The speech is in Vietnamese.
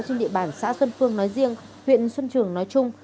trên địa bàn xã xuân phương nói riêng huyện xuân trường nói chung